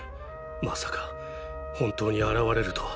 まさか本当に現れるとは！